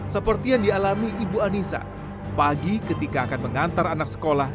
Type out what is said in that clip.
seperti yang dialami ibu anissa pagi ketika akan mengantar anak sekolah